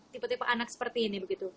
tipe tipe anak seperti ini begitu